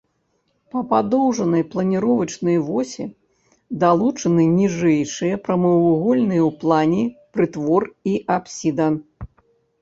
Па падоўжнай планіровачнай восі далучаны ніжэйшыя прамавугольныя ў плане прытвор і апсіда.